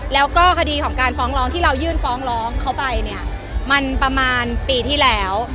แล้วก็คดีของการฟ้องร้องที่เรายื่นฟ้องร้องเขาไปเนี่ยมันประมาณปีที่แล้ว